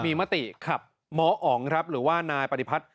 มีมติขับหมออ๋องครับหรือว่านายปฏิพัฒน์